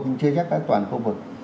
nhưng chưa chắc là toàn khu vực